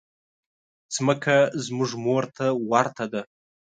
مځکه زموږ مور ته ورته ده.